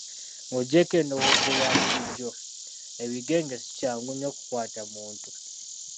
Ng'oggyeeko endowooza eya bulijjo, ebigenge si kyangu nnyo kukwata muntu